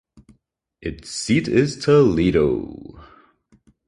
Its seat is Toledo.